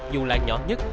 dù là nhỏ nhất